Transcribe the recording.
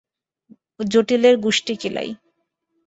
জটিলের গুষ্টি কিলাই!